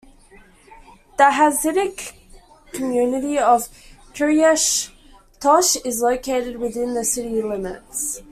The Hasidic community of Kiryas Tosh is located within the city limits.